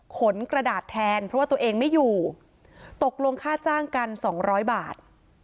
กระดาษแทนเพราะว่าตัวเองไม่อยู่ตกลงค่าจ้างกันสองร้อยบาท